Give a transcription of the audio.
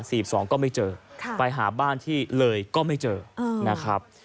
สองก็ไม่เจอค่ะไปหาบ้านที่เลยก็ไม่เจอนะครับ